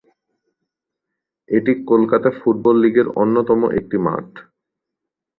এটি কলকাতা ফুটবল লীগের অন্যতম একটি মাঠ।